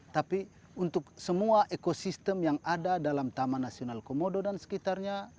tapi untuk semua ekosistem yang ada dalam taman nasional komodo dan sekitarnya